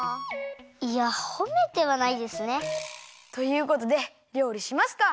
いやほめてはないですね。ということでりょうりしますか。